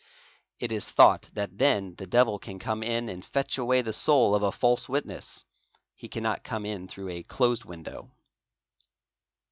It is thought that then the devil can come in 406 SUPERSTITION and fetch away the soul of a false witness ; he cannot come in through a — closed window.